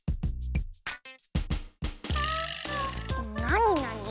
なになに？